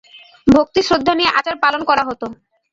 ভক্তি, শ্রদ্ধা নিয়ে আচার পালন করা হতো।